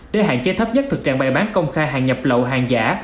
để hạn chế thấp nhất thực trạng bày bán công khai hàng nhập lậu hàng giả